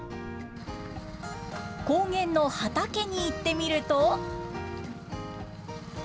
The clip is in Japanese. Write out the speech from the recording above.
高原の畑に行ってみると。